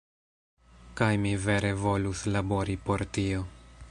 Kaj mi vere volus labori por tio.